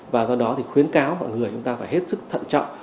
và do đó thì khuyến cáo mọi người chúng ta phải hết sức thận trọng